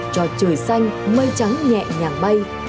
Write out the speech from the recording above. cho trời xanh mây trắng nhẹ nhàng bay